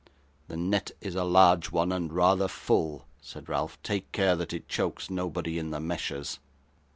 'The net is a large one, and rather full,' said Ralph. 'Take care that it chokes nobody in the meshes.